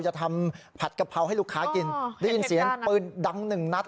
จะทำผัดกะเพราให้ลูกค้ากินได้ยินเสียงปืนดังหนึ่งนัด